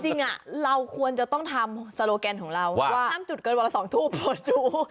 จริงอ่ะเราควรจะต้องทำโซโลแกนของเราว่าทั้งจุดเกินวันละสองทูบพอดู